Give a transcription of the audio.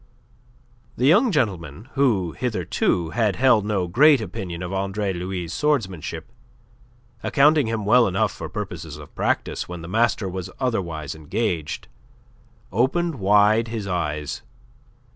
The young gentleman who, hitherto, had held no great opinion of Andre Louis' swordsmanship, accounting him well enough for purposes of practice when the master was otherwise engaged, opened wide his eyes.